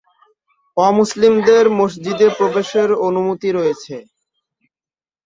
অমুসলিমদের মসজিদে প্রবেশের অনুমতি রয়েছে।